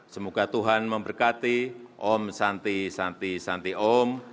semoga tuhan memberkati om santi santi santi om